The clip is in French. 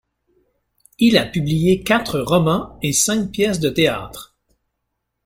Il a publié quatre romans et cinq pièces de théâtre.